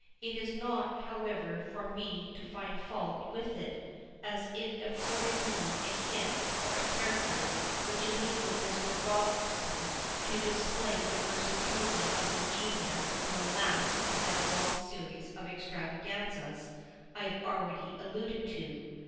It is not, however, for me to find fault with it, as it afforded me a hint for a character which enabled Mr. Robson to display the versatility of his genius in the last of that long series of extravaganzas I have already alluded to.